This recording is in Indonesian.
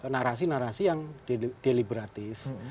narasi narasi yang deliberatif